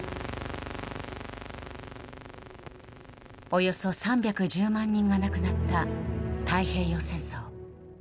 およそ３１０万人が亡くなった太平洋戦争。